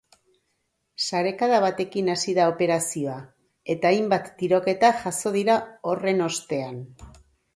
Sarekada batekin hasi da operazioa, eta hainbat tiroketa jazo dira horren ostean.